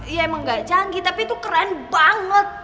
ya emang gak canggih tapi tuh keren banget